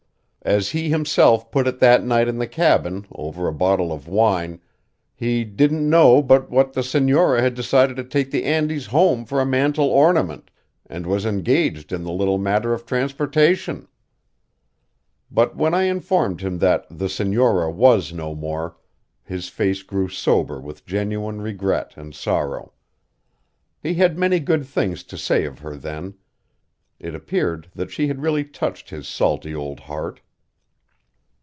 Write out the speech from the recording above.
As he himself put it that night in the cabin, over a bottle of wine, he "didn't know but what the senora had decided to take the Andes home for a mantel ornament, and was engaged in the little matter of transportation." But when I informed him that "the senora" was no more, his face grew sober with genuine regret and sorrow. He had many good things to say of her then; it appeared that she had really touched his salty old heart.